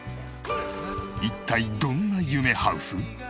一体どんな夢ハウス？